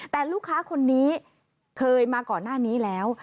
แต่ลูกค้าคนนี้เคยมาก่อนหน้านี้แล้ว